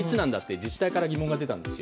自治体から疑問が出たんですよ。